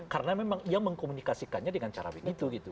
karena memang ia mengkomunikasikannya dengan cara begitu gitu